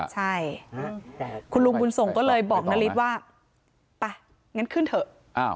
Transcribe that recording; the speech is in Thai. ใช่คุณลุงบุญส่งก็เลยบอกนาริสว่าไปงั้นขึ้นเถอะ